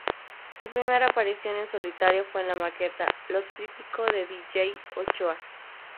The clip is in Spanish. Su primera aparición en solitario fue en la maqueta "Lo Típico" de "Dj Ochoa".